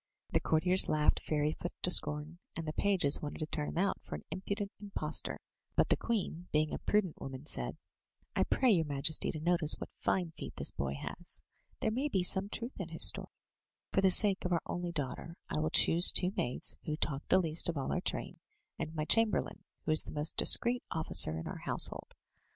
The courtiers laughed Fairyfoot to scorn, and the pages wanted to turn him out for an impudent impostor, but the queen, being a prudent woman, said: "I pray your majesty to notice what fine feet this boy has. There may be some truth in his story. For the sake of our only daughter, I will choose two maids who talk the least of all our train, and my chamberlain, who is the most discreet officer in our household.